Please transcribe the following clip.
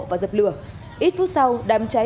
và dập lửa ít phút sau đám cháy